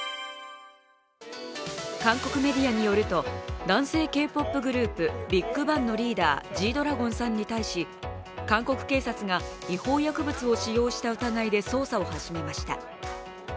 韓国メディアによると、男性Ｋ−ＰＯＰグループＢＩＧＢＡＮＧのメンバー、Ｇ−ＤＲＡＧＯＮさんに対し、韓国警察が違法薬物を使用した疑いで捜査を始めました。